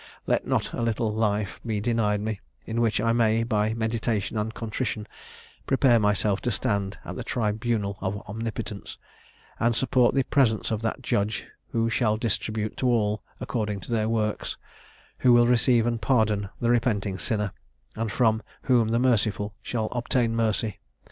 Let not a little life be denied me, in which I may, by meditation and contrition, prepare myself to stand at the tribunal of Omnipotence, and support the presence of that Judge, who shall distribute to all according to their works: who will receive and pardon the repenting sinner, and from whom the merciful shall obtain mercy!